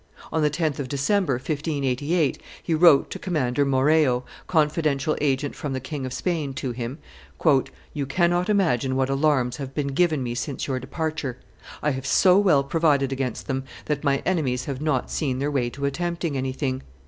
On the 10th of December, 1588, he wrote to Commander Moreo, confidential agent from the King of Spain to him, "You cannot imagine what alarms have been given me since your departure. I have so well provided against them that my enemies have not seen their way to attempting anything.